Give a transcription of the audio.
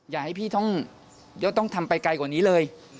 อยากให้พี่ต้องทำไปไกลกว่านี้เลย